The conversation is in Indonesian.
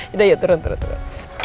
yaudah yuk turun turun turun